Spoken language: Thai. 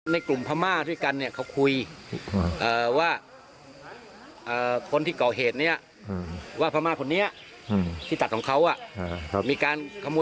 แบบถูกเหมารวม